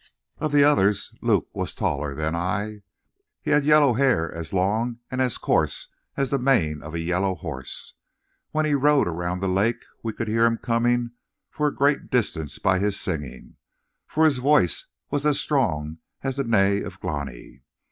"Of the others, Luke was taller than I. He had yellow hair as long and as coarse as the mane of a yellow horse. When he rode around the lake we could hear him coming for a great distance by his singing, for his voice was as strong as the neigh of Glani.